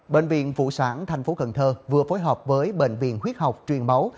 bệnh viện phụ sản tp hcm vừa phối hợp với bệnh viện huyết học truyền máu